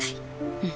うん。